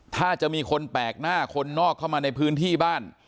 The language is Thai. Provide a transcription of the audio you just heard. ถ้าจะมีคนแปลกหน้าคนนอกเข้ามาในพื้นที่บ้าน